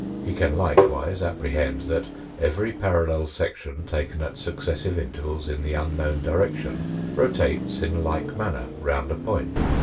He can likewise apprehend that every parallel section taken at successive intervals in the unknown direction rotates in like manner round a point.